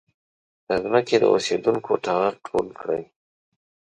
د ځمکې د اوسېدونکو ټغر ټول کړي.